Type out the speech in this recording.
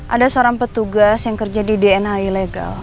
ada seorang petugas yang kerja di dna ilegal